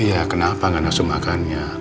iya kenapa gak nasum makannya